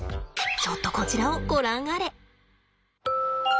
ちょっとこちらをご覧あれ。